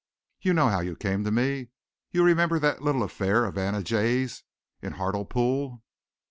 You know how you came to me? You remember that little affair of Anna Jayes in Hartlepool?"